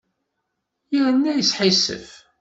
Yerna yesḥissif.